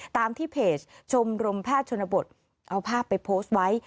ตามที่เพจชมรมแพทย์ชนบทเอาภาพไปโพสต์ไว้